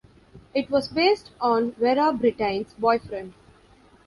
It was based on Vera Brittain's boyfriend.